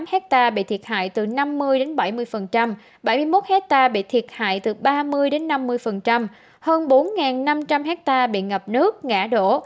ba trăm một mươi tám hectare bị thiệt hại từ năm mươi bảy mươi bảy mươi một hectare bị thiệt hại từ ba mươi năm mươi hơn bốn năm trăm linh hectare bị ngập nước ngã đổ